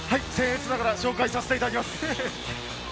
僭越ながら、紹介させていただきます。